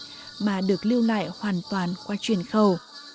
những lời then của bà được lưu lại hoàn toàn qua truyền khẩu